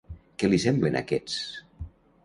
Què li semblen aquests...?